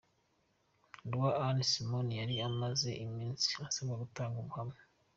Lou Anna Simon yari amaze imisi asabwa gutanga ubuhamya.